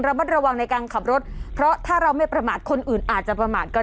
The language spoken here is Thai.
มัดระวังในการขับรถเพราะถ้าเราไม่ประมาทคนอื่นอาจจะประมาทก็ได้